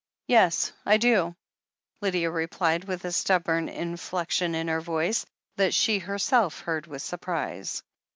"Yes, I do," Lydia replied, with a stubborn inflexion in her voice that she herself heard with surprise.